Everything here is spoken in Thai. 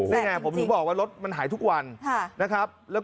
นี่ไงผมถึงบอกว่ารถมันหายทุกวันนะครับ